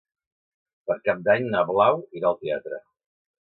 Per Cap d'Any na Blau irà al teatre.